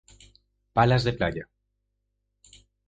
Palas de playa